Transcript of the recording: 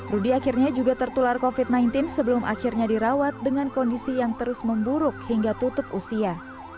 rudy akhirnya juga tertular covid sembilan belas sebelum akhirnya dirawat dengan kondisi yang terus memburuk hingga tutup usia